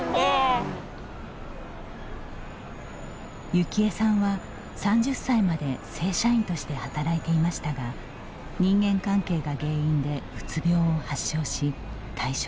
幸恵さんは、３０歳まで正社員として働いていましたが人間関係が原因でうつ病を発症し、退職。